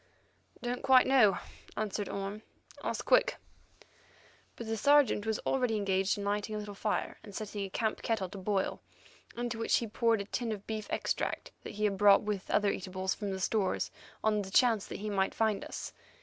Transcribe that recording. "Don't quite know," answered Orme; "ask Quick." But the Sergeant was already engaged in lighting a little fire and setting a camp kettle to boil, into which he poured a tin of beef extract that he had brought with other eatables from our stores on the chance that he might find us.